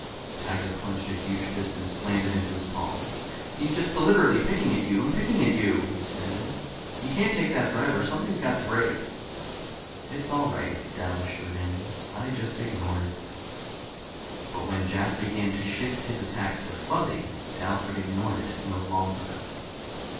Tiger clenched a huge fist and slammed it into his palm. "He's just deliberately picking at you and picking at you," he said. "You can't take that forever. Something's got to break." "It's all right," Dal assured him. "I just ignore it." But when Jack began to shift his attack to Fuzzy, Dal could ignore it no longer.